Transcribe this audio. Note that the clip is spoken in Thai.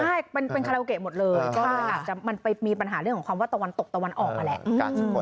ใช่เป็นคาราโอเกะหมดเลยก็เลยอาจจะมันไปมีปัญหาเรื่องของความว่าตะวันตกตะวันออกนั่นแหละ